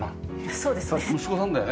そうですね。